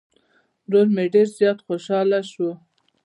ورور مې ډير زيات خوشحاله شو